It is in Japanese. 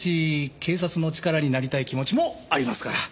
警察の力になりたい気持ちもありますから。